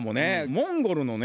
モンゴルのね